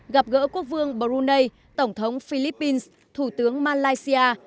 gặp gỡ quốc vương brunei tổng thống philippines thủ tướng malaysia